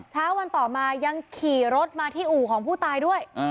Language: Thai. เช้าวันต่อมายังขี่รถมาที่อู่ของผู้ตายด้วย